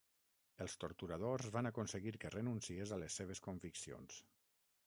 Els torturadors van aconseguir que renunciés a les seves conviccions.